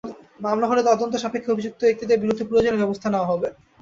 মামলা হলে তদন্ত সাপেক্ষে অভিযুক্ত ব্যক্তিদের বিরুদ্ধে প্রয়োজনীয় ব্যবস্থা নেওয়া হবে।